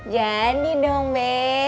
jadi dong be